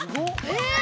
えっ！？